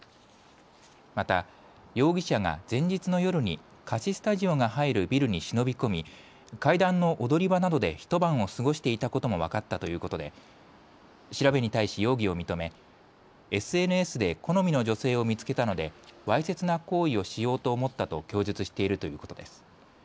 また容疑者が前日の夜に貸しスタジオが入るビルに忍び込み階段の踊り場などで一晩を過ごしていたことも分かったということで調べに対し容疑を認めＳＮＳで好みの女性を見つけたのでわいせつな行為をしようと思ったと供述しているということです。